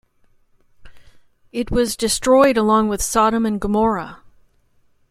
It was destroyed along with Sodom and Gomorrah.